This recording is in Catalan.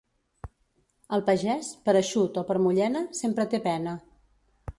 El pagès, per eixut o per mullena, sempre té pena.